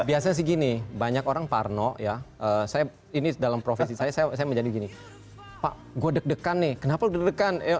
biasanya sih gini banyak orang parno ya saya ini dalam profesi saya saya menjadi gini pak gue deg degan nih kenapa deg degan